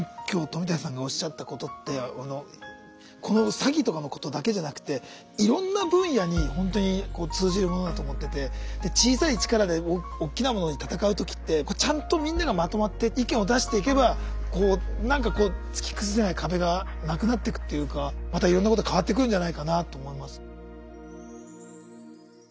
今日冨谷さんがおっしゃったことってこのこの詐欺とかのことだけじゃなくていろんな分野にほんとに通じるものだと思ってて小さい力でおっきなものに戦う時ってこうちゃんとみんながまとまって意見を出していけばこう何かこう突き崩せない壁がなくなってくっていうかまたいろんなこと変わってくるんじゃないかなと思います。